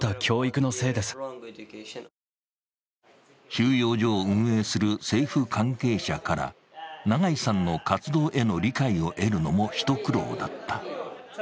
収容所を運営する政府関係者から永井さんの活動への理解を得るのも一苦労だった。